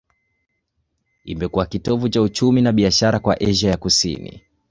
Imekuwa kitovu cha uchumi na biashara kwa Asia ya Kusini.